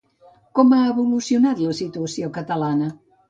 Com ha evolucionat la situació catalana?